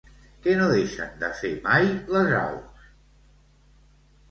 Què no deixen de fer mai les aus?